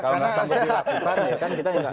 kalau nggak akan berlakukan ya kan kita